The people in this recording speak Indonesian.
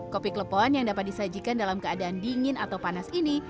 kopi klepon yang dapat disajikan dalam keadaan dingin atau panas ini